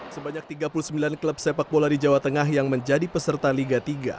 sebanyak tiga puluh sembilan klub sepak bola di jawa tengah yang menjadi peserta liga tiga